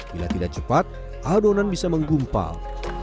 bila tidak cepat adonan bisa menggumpal